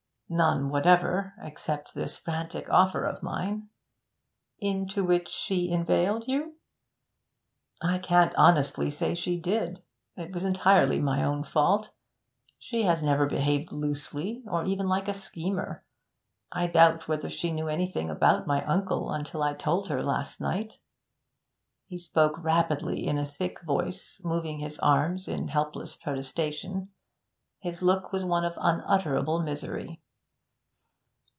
'None whatever, except this frantic offer of mine.' 'Into which she inveigled you?' 'I can't honestly say she did; it was entirely my own fault. She has never behaved loosely, or even like a schemer. I doubt whether she knew anything about my uncle, until I told her last night.' He spoke rapidly, in a thick voice, moving his arms in helpless protestation. His look was one of unutterable misery.